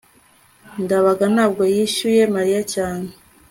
ndabaga ntabwo yishyuye mariya cyane